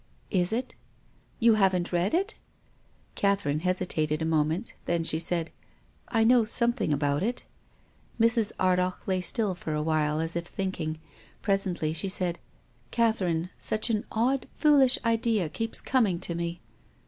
"Is it?" "You haven't read it?" Catherine hesitated a moment, then she said, " I know something about it." Mrs. Ardagh lay still for a while, as if thinking. Presently she said, " Catherine, such an odd, foolish idea keeps coming to mc."